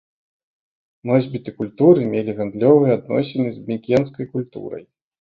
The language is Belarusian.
Носьбіты культуры мелі гандлёвыя адносіны з мікенскай культурай.